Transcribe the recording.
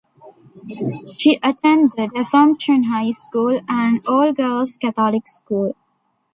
She attended Assumption High School, an All-Girls Catholic school.